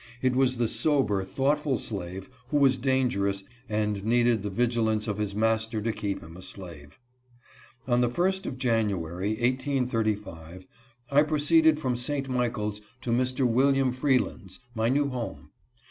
It was the sober, thoughtful slave who was dangerous and needed the vigilance of his master to keep him a slave. On the first of January, 1835, 1 proceeded from St. Michaels to Mr. William Freeland's — my new home.